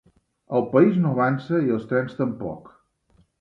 El país no avança, i els trens, tampoc.